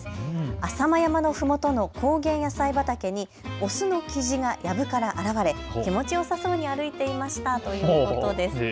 浅間山のふもとの高原野菜畑にオスのキジがやぶから現れ気持ちをよさそうに歩いていましたということです。